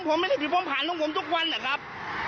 ผมไม่ได้ผิดผมผ่านของผมทุกวันนะครับ